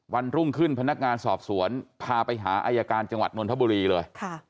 วันรุ่งขึ้นพนักงานสอบสวนพาไปหาอายการจังหวัดนทบุรีเลย